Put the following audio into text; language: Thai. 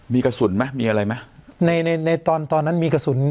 มีกระสุนมั้ยมีอะไรมั้ยในในในตอนตอนนั้นมีกระสุน